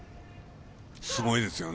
すごいですよね。